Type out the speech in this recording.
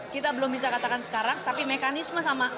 kita belum bisa katakan sekarang tapi mekanisme sama